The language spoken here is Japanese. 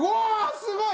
すごい！